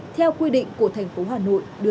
theo quy định của thành phố hà nội đưa ra